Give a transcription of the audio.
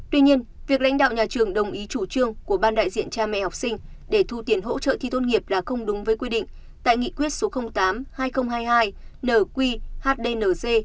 tuy nhiên việc lãnh đạo nhà trường đồng ý chủ trương của ban đại diện cha mẹ học sinh để thu tiền hỗ trợ thi tốt nghiệp là không đúng với quy định tại nghị quyết số tám hai nghìn hai mươi hai nq hdnc